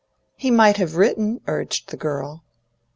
"He might have written," urged the girl.